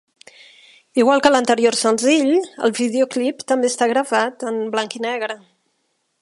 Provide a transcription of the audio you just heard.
Igual que l'anterior senzill, el videoclip també està gravat en blanc i negre.